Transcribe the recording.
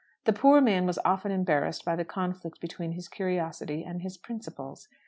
The poor man was often embarrassed by the conflict between his curiosity and his principles.